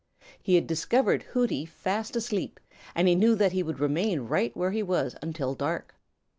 He had discovered Hooty fast asleep, and he knew that he would remain right where he was until dark.